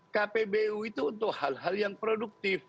kpbu itu untuk hal hal yang produktif